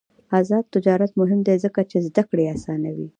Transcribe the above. آزاد تجارت مهم دی ځکه چې زدکړه اسانوي.